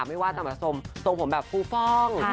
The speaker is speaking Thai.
ไม่ว่าจะมาทรงผมแบบฟูฟ่อง